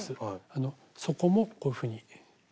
あの底もこういうふうに。